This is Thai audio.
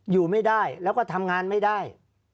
อยู่ไม่ได้แล้วก็ทำงานไม่ได้